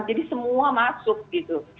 jadi semua masuk gitu